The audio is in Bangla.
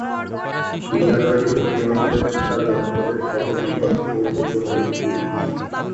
বিদ্যালয়টি ভাটি অঞ্চলের বিশাল জনপদের সর্ব বৃহৎ ও ঐতিহ্যবাহী স্কুল।